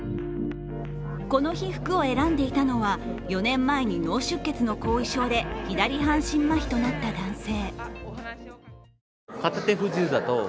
この日、服を選んでいたのは４年前に脳出血の後遺症で左半身まひとなった男性。